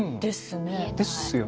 ですよね。